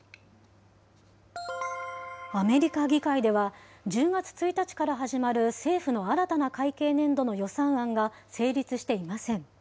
アメリカ議会では、１０月１日から始まる政府の新たな会計年度の予算案が成立していません。